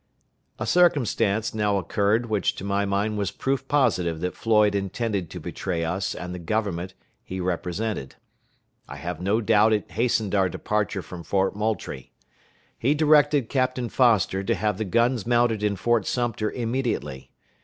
A circumstance now occurred which to my mind was proof positive that Floyd intended to betray us and the Government he represented. I have no doubt it hastened our departure from Fort Moultrie. He directed Captain Foster to have the guns mounted in Fort Sumter immediately.